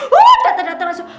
wuh dateng dateng langsung